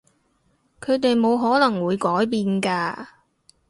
佢哋冇可能會改變㗎